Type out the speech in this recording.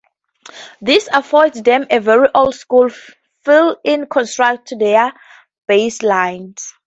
This affords them a very "old-school" feel in contrast to their basslines.